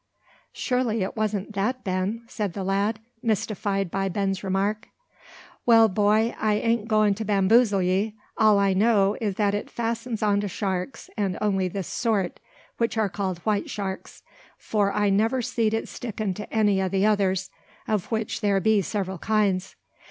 "Surely it wasn't that, Ben?" said the lad, mystified by Ben's remark. "Well, boy, I an't, going to bamboozle ye. All I know is that it fastens onto sharks, and only this sort, which are called white sharks; for I never seed it sticking to any o' the others, of which there be several kinds.